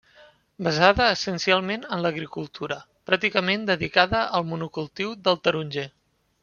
Basada essencialment en l'agricultura, pràcticament dedicada al monocultiu del taronger.